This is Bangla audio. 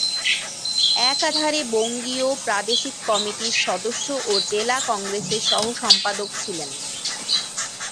একাধারে বঙ্গীয় প্রাদেশিক কমিটির সদস্য ও জেলা কংগ্রেসের সহ- সম্পাদক ছিলেন।